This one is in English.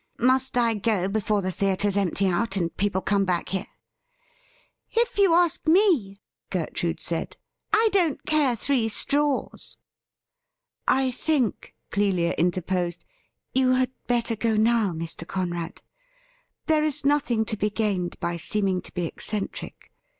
Must I go before the theatres empty out and people come back here .?'' If you ask me,' Gertrude said, ' I don't care three straws.' ' I think,' Clelia interposed, ' you had better go now, Mr. Conrad. There is nothing to be gained by seeming to be eccentric.